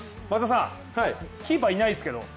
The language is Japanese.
松田さん、キーパーいないですけど？